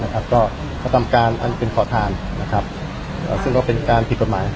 ก็กระทำการอันเป็นขอทานซึ่งก็เป็นการผิดกฎหมาย